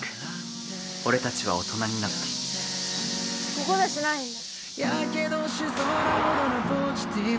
「ここではしないんだ」